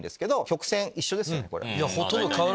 曲線一緒ですよね。